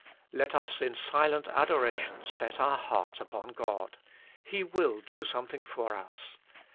Let us in silent adoration set our heart upon God : He will do something for us.